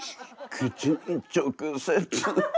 口に直接。